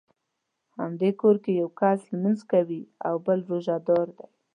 همدې کور کې یو کس لمونځ کوي او بل روژه دار دی.